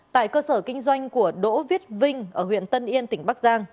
tại cơ sở kinh doanh của đỗ viết vinh ở huyện tân yên tỉnh bắc giang